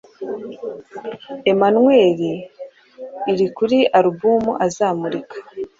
Emmanuel' iri kuri Album azamurika